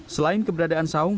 selain keberadaan saung